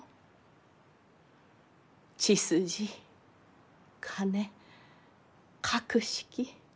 血筋金格式。